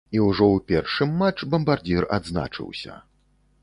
І ўжо ў першым матч бамбардзір адзначыўся.